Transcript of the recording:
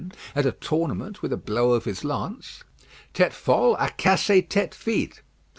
at a tournament, with a blow of his lance, "Tête folle a cassé tête vide."